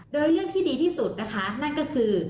โดยเรื่องที่ดีที่สุดนะคะนั่นก็คือ